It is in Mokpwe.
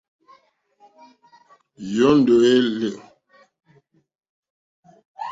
Yɔ́ndɔ̀ é lɔ̂.